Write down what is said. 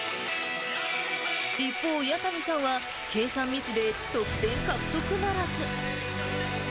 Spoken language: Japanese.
一方、弥谷さんは計算ミスで得点獲得ならず。